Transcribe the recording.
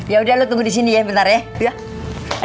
yaudah lu tunggu disini ya bentar ya